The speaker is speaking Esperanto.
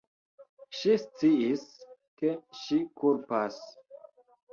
Ŝi sciis, ke ŝi kulpas.